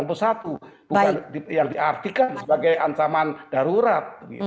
bukan yang diartikan sebagai ancaman darurat